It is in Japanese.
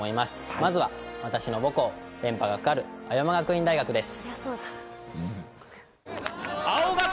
まずは私の母校連覇がかかる青山学院大学です。